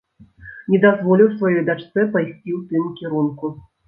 Не дазволіў сваёй дачцэ пайсці у тым кірунку.